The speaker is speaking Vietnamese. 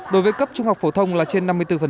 đối với cấp trung học phổ thông là trên năm mươi bốn